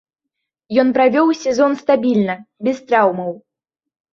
Ён правёў сезон стабільна, без траўмаў.